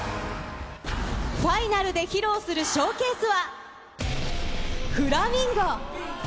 ファイナルで披露するショーケースは、フラミンゴ。